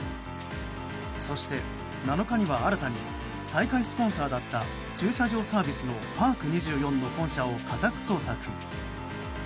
そして７日には新たに大会スポンサーだった駐車場サービスのパーク２４の本社を家宅捜索。